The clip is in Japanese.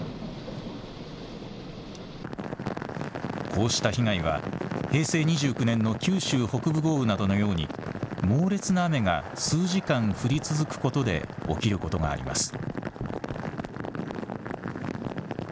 こうした被害は平成２９年の九州北部豪雨などのように猛烈な雨が数時間降り続くことで起きることがあります。